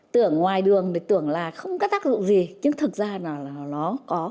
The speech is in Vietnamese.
tưởng ngoài đường tưởng là không có tác dụng gì nhưng thực ra là nó có